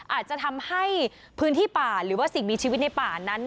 อาจจะทำให้พื้นที่ป่าหรือว่าสิ่งมีชีวิตในป่านั้น